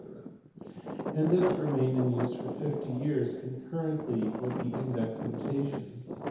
241), and this remained in use for fifty years concurrently with the index notation.